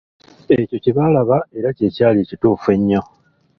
Ekyo kye baalaba era kye kyali ekituufu ennyo.